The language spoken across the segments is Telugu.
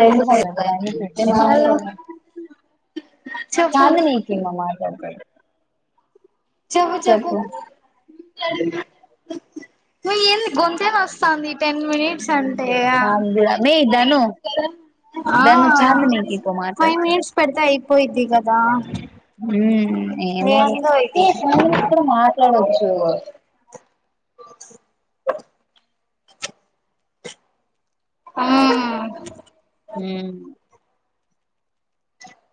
రెండున్నది నేను మాట్టాడను చాందినీకీయమ్మా మాట్లాడతాది చెప్పు చెప్పు ఏంది గొంతె వస్తాంది టెన్ మినిట్స్ అంటే ఫైవ్ మినిట్స్ పెడితే అయిపోయిద్ది కదా దా హ్మ్ ఏమో [unintelligible] హ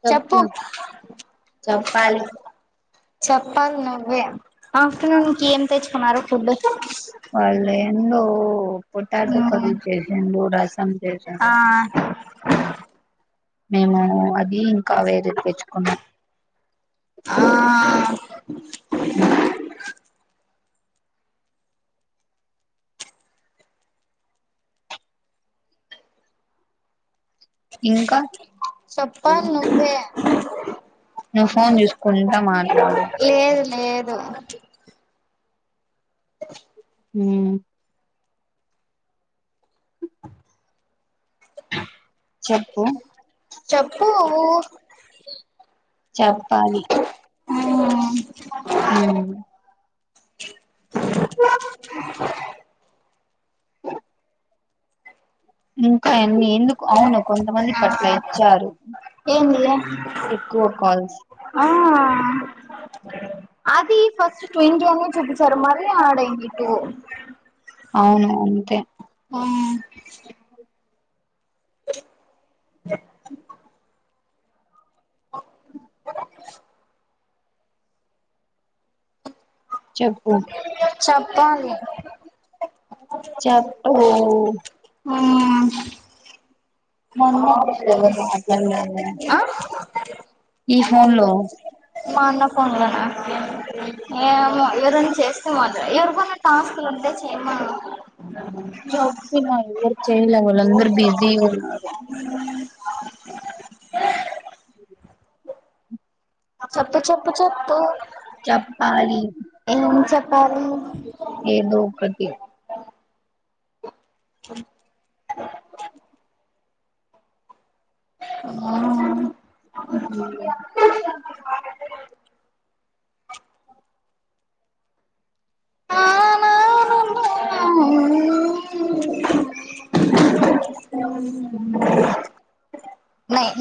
చెప్పు చెప్పాలి నువ్వే ఆఫ్టర్నూన్ కి ఏం తెచ్చుకున్నారు ఫుడ్ ఆ మేము అది ఇంకా వేరే తెచ్చుకున్నాం చెప్పాలి నువ్వే లేదు లేదు హ చెప్పు చెప్పాలి హ ఉ ఏగా ఆ ఇచ్చారు ఆ అది ఫస్ట్ ట్వంటి అనేసి ఇచ్చారు మళ్ళీ ఆడ్ అయ్యేంది ఏమో ఆ చెప్పుకొండి వూ చెప్పు మ్ ఆ మా అన్నా ఫోన్లో ఏమో ఎవరన చేస్తేమ ఎవరివన్నా టాస్క్ లు ఉంటే చేయమను ఆ చెప్పు చెప్పు చె అ [unintelligible] ఏదో ఒకటి [inaudible] [inaudible]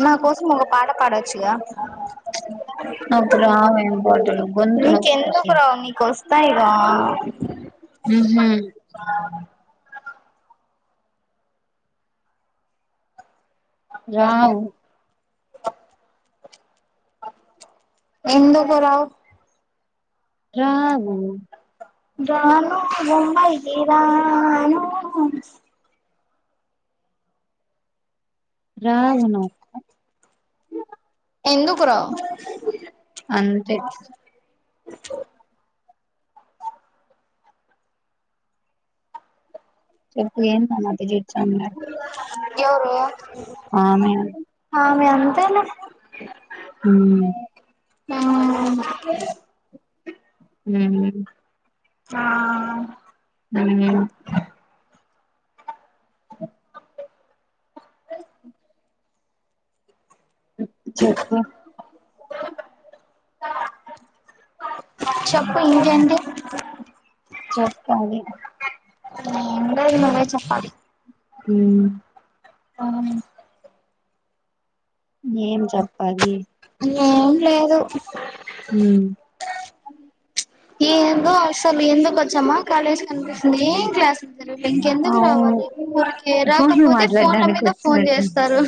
నా కోసం ఒక పాట పాడవచ్చుగా నీకు ఎందుకు రావు నీకు వస్తాయిగా [unintelligible] రావు ఎందుకు రావు రను బంబైకి రాను రావును ఎందుకు రావు చెప్పు ఏం సంగతి ఎవరు ఆమె అంతేలే మ్... ఆ.... మ్ అ చెప్పు చెప్పు ఇకేంటి చెప్పాలి ఏం లే నువ్వే చెప్పాలి హ్మ్ అవున్ ఏం లేదు ఏందో అసలు ఎందుకు వచ్చామా కాలేజ్కి అనిపిస్తుంది ఏం క్లాసులు జరలి ఇంకెందుకు రావాలి ఊరికే రాకపోతే ఫోన్ల మీద ఫోన్ చేస్తారు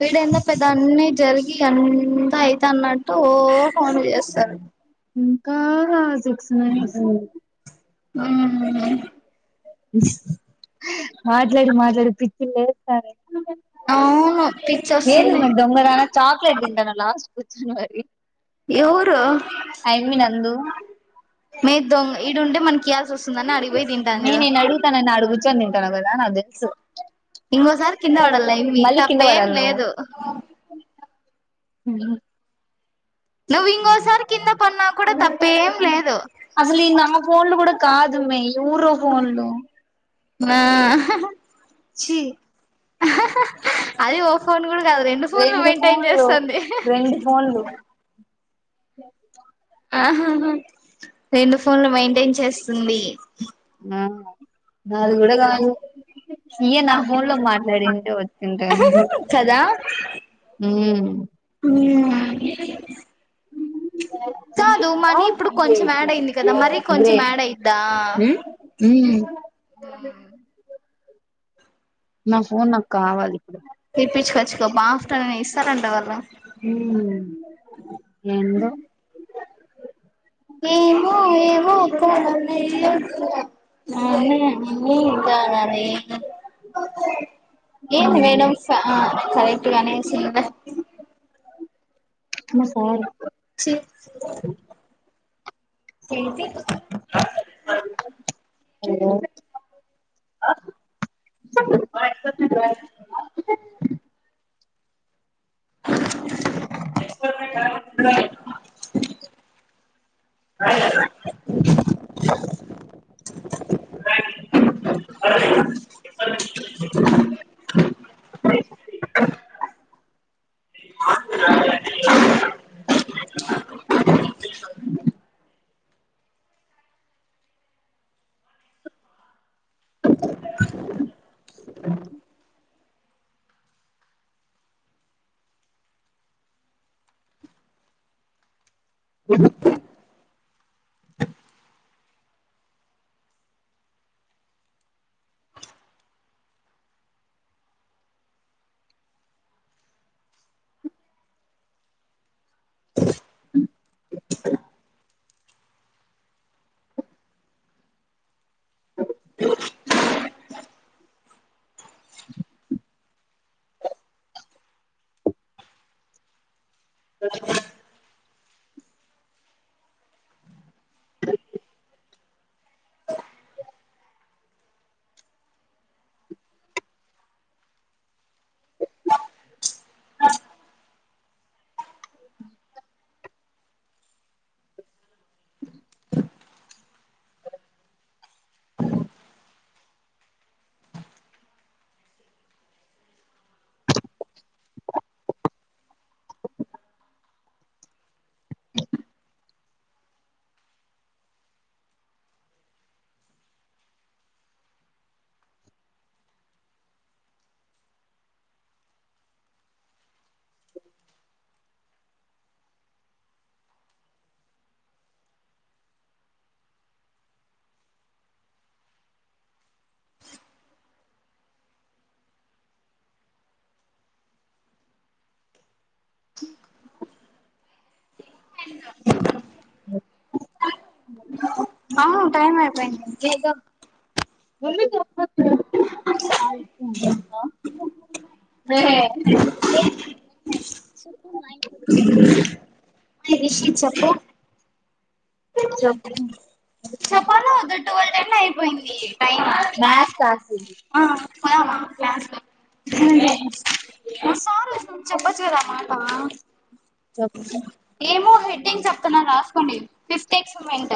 వీడంత పెద్ద అన్ని జరి గి అంతా అయితన్నట్ ట్టు ఓ ఫోన్లు చేస్తారు కా రాదు ఉహ్ మాట్లాడి మాట్లాడి పిచ్ చిలే స్తాంది ఏంది మే దొంగ దాన చాక్లెట్ తింటన్నావ్ లాస్ట్ ఎవరు మే దొంగ ఇడుంటే మనకియాల్సి వస్తుందని అడిగకిపోయి తింటంది ఏ నిన్ను ఆడుగుతనని ఆడ కూర్చొని తింటన్నావ్ కదా నాకు తెలుసు ఇంకోసారి కింద పడలా మళ్లీ కింద పడలా ఉహు అసలు ఈ నా ఫోన్లు కూడా కాదు మే ఎవరో ఫోన్లు ఆ అది ఓ ఫోన్ కూడా కాదు రెండు ఫోన్లు మెయింటైన్ చేస్తుంది ఆహా హా రెండు ఫోన్లు మెయింటైన్ చేస్తుంది ఆహా నాది కూడా కాదు ఇయ నా ఫోన్ లో మాట్లాడింటే వచ్చింటే హ్మ్ కాదు మనీ ఇప్పుడు కొంచెం యాడ్ అయింది కదా మరి కొంచెం యాడ్ అయిద్దా నా ఫోన్ నాకు కావాలి ఇప్పుడు హ్మ్ ఏందో ఏము ఏమో ఒక అ ఇద ఏ మేడం కరెక్ట్గానే మా సార్ చేజి అ అ ఉ టైమ్ టైమ్ వెళ్ళ రిషి చెప్పు చెపాల వద్ద ట్వల్ టెన్ అయిపోయింది టైమ్ క్లాస్ లో ఒకసారి చెప్పచ్చు కదా ఆ మాట ఏమో హెడ్టింగ్ చెప్తున్నా రాసుకోండి ఫిఫ్త్ ఎక్స్మెంట్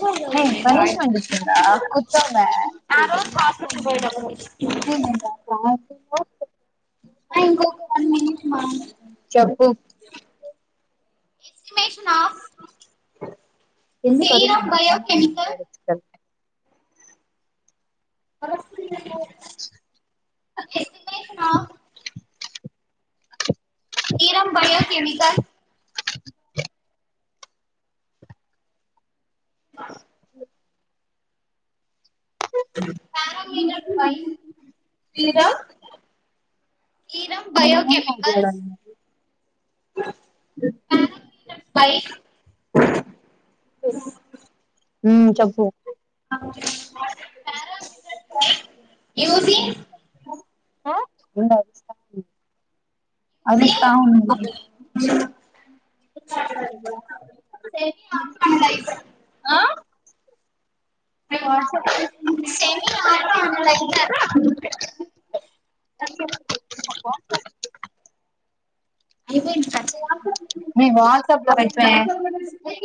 [unintelligible] [inaudible] [inaudible] బ స ఆ ఇంకో వన్ మినిట్ మా ఎస్టిమేషన్ ఆఫ్ ఎందుకు అరుస్తన్నావ్ [inaudible] ఆఫ్ నీరం బయోకెమికల్ బస్ పారమ్ మినర్ బై లేదా కీరం బయో ఆఫ్ దేరట్ బై ఉ చప్పుు ప్పారాఫ్ ఎయిట్ యూజీ ఇవ వస్తా అరుస్తా ఉండును జీ యూనిఇన్టివిజిబుల్ ఎ వాట్సప్ షాట్ ఫాంమెడ్ అయిందా అయిపోయింది సార్ మే వాట్సాప్ లో చేప్ మే